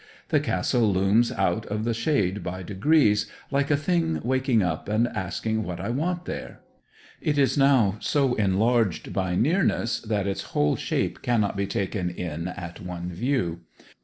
The castle looms out off the shade by degrees, like a thing waking up and asking what I want there. It is now so enlarged by nearness that its whole shape cannot be taken in at one view.